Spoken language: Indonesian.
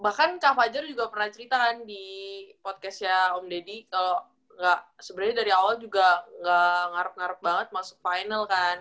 bahkan kang fajar juga pernah cerita kan di podcastnya om deddy kalau sebenarnya dari awal juga gak ngarep ngarep banget masuk final kan